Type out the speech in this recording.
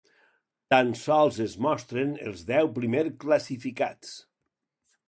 Tan sols es mostren els deu primers classificats.